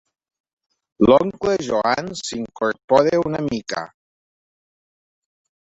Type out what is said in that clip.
L'oncle Joan s'incorpora una mica.